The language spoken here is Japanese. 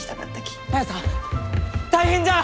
綾さん大変じゃ！